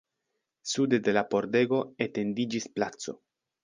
Sude de la pordego etendiĝis placo.